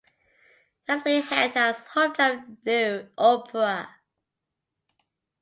It has been hailed as "Hometown of Nuo opera".